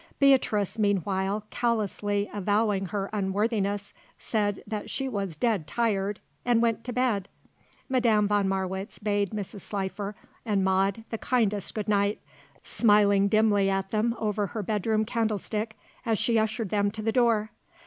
Beatrice meanwhile, callously avowing her unworthiness, said that she was "dead tired" and went to bed. Madame von Marwitz bade Mrs. Slifer and Maude the kindest good night, smiling dimly at them over her bedroom candlestick as she ushered them to the door.